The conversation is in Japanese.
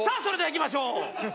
それではいきましょう！